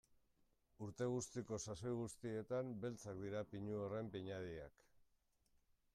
Urte guztiko sasoi guztietan beltzak dira pinu horren pinadiak.